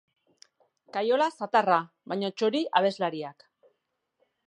Kaiola zatarra, baina txori abeslariak.